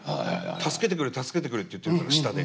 「助けてくれ助けてくれ」って言ってるから下で。